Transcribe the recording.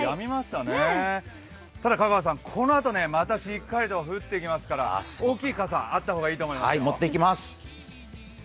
ただ香川さん、このあとまたしっかりと降ってきますから大きい傘があった方がいいと思いますよ。